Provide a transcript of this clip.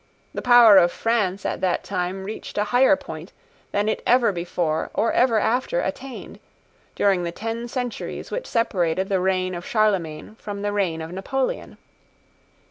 The power of France at that time reached a higher point than it ever before or ever after attained, during the ten centuries which separated the reign of Charlemagne from the reign of Napoleon.